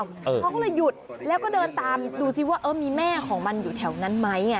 เขาก็เลยหยุดแล้วก็เดินตามดูซิว่าเออมีแม่ของมันอยู่แถวนั้นไหม